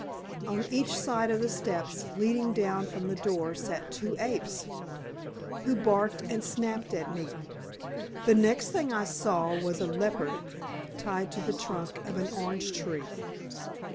On each side of the steps leading down from the door sat two apes, who barked and snapped at me. The next thing I saw was a leopard tied to the trunk of an orange tree.